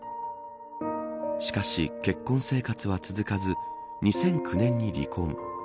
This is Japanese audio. しかし、結婚生活は続かず２００９年に離婚。